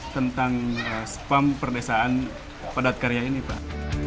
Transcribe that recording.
tentang spam perdesaan padat karya ini pak